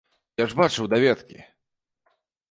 Я ж бачыў даведкі.